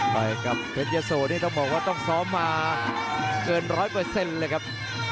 ไปกับเพชรยะโสนี่ต้องบอกว่าต้องซ้อมมาเกินร้อยเปอร์เซ็นต์เลยครับ